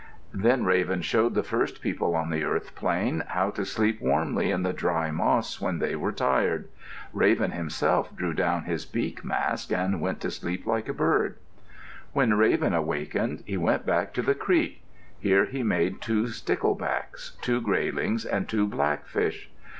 Then Raven showed the first people on the earth plain how to sleep warmly in the dry moss when they were tired. Raven himself drew down his beak mask and went to sleep like a bird. When Raven awakened, he went back to the creek. Here he made two sticklebacks, two graylings, and two blackfish.